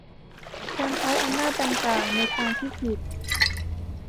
การใช้อำนาจดังกล่าวในทางที่ผิด